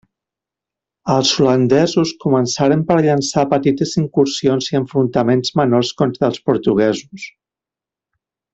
Els holandesos començaren per llançar petites incursions i enfrontaments menors contra els portuguesos.